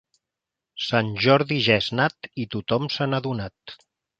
Sant Jordi ja és nat i tothom se n'ha adonat.